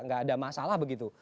nggak ada masalah begitu